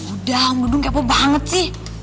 udah om dudung kepo banget sih